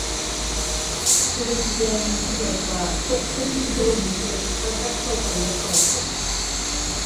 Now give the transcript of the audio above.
ئۈرۈمچىدە يامغۇر ياغسا توقسۇننىڭ بورىنى كېلىپ ئازراق سالقىنلاپ قالاتتۇق.